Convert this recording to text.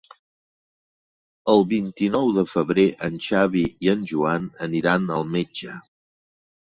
El vint-i-nou de febrer en Xavi i en Joan aniran al metge.